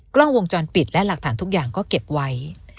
กล้องวงจรปิดและหลักฐานทุกอย่างก็เก็บไว้